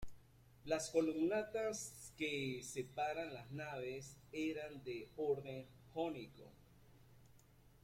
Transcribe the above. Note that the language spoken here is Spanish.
Las columnatas que separan las naves eran de orden jónico.